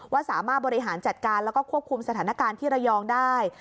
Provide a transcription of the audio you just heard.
ว่าสามารถบริหารจัดการแล้วก็ควบคุมสถานการณ์ที่ระยองได้